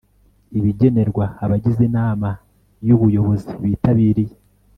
Ibigenerwa abagize Inama y Ubuyobozi bitabiriye